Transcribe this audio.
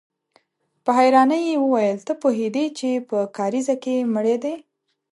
په حيرانۍ يې وويل: ته پوهېدې چې په کاريزه کې مړی دی؟